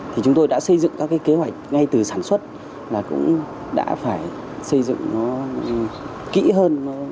thì chúng tôi đã xây dựng các cái kế hoạch ngay từ sản xuất là cũng đã phải xây dựng nó kỹ hơn